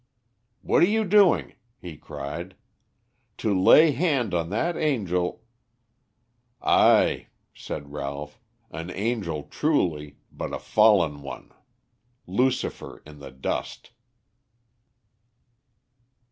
"What are you doing?" he cried. "To lay hand on that angel " "Ay," said Ralph, "an angel truly, but a fallen one Lucifer in the dust."